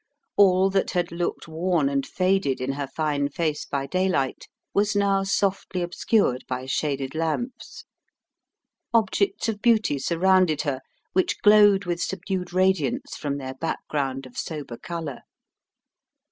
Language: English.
All that had looked worn and faded in her fine face by daylight was now softly obscured by shaded lamps. Objects of beauty surrounded her, which glowed with subdued radiance from their background of sober colour.